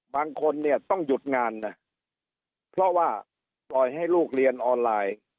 บางคนเนี่ยต้องหยุดงานนะเพราะว่าปล่อยให้ลูกเรียนออนไลน์